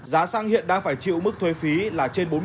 nhưng hiện đang phải chịu mức thuế phí là trên bốn mươi